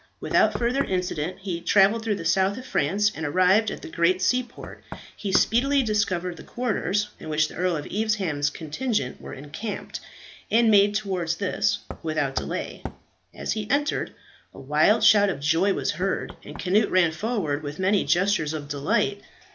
Without further incident, he travelled through the south of France, and arrived at the great seaport. He speedily discovered the quarters in which the Earl of Evesham's contingent were encamped, and made towards this without delay. As he entered a wild shout of joy was heard, and Cnut ran forward with many gestures of delight.